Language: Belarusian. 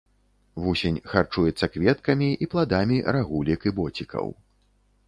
Вусень харчуецца кветкамі і пладамі рагулек і боцікаў.